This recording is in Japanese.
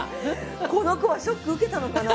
この子はショック受けたのかなあ。